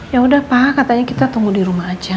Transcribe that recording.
yaudah pak katanya kita tunggu dirumah aja